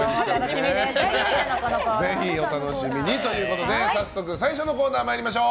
ぜひお楽しみにということで早速最初のコーナー参りましょう。